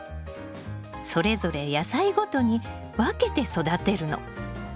それぞれ野菜ごとに分けて育てるの。